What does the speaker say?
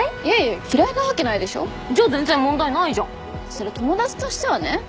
そりゃ友達としてはね。